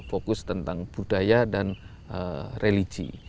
fokus tentang budaya dan religi